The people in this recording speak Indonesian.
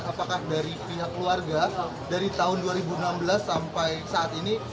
apakah dari pihak keluarga dari tahun dua ribu enam belas sampai saat ini